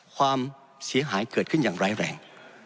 ความเสียหายเกิดขึ้นอย่างร้ายแรง